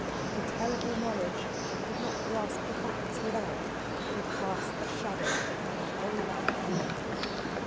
The terrible knowledge she could not grasp the facts without would cast a shadow over her whole life.